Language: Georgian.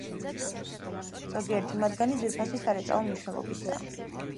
ზოგიერთი მათგანი ძვირფასი სარეწაო მნიშვნელობისაა.